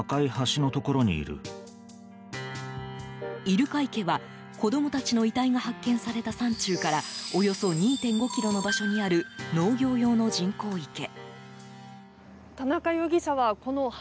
入鹿池は子供たちの遺体が発見された山中からおよそ２．５ｋｍの場所にある農業用の人工池。